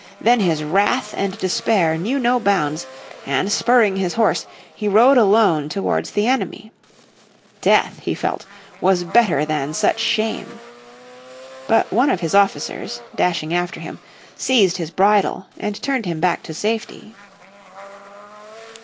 Then his wrath and despair knew no bounds, and spurring his horse, he rode alone towards the enemy. Death, he felt, was better than such shame. But one of his officers, dashing after him, seized his bridle and turned him back to safety.